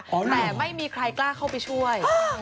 แต่ไม่มีใครกล้าเข้าไปช่วย